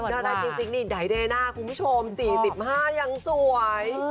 ถ้าได้พิสิกนิดใดหน้าคุณผู้ชม๔๕ยังสวย